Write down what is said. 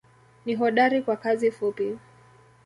Ni hodari kwa kazi fupi.